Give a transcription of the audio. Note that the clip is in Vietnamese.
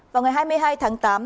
vào ngày hai mươi hai tháng tám